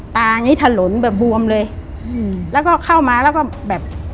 ตาทะลนแบบบวมเลยแล้วก็เข้ามาแบบ